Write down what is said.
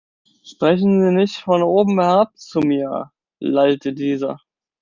Sprechen Sie nicht von oben herab zu mir, lallte dieser.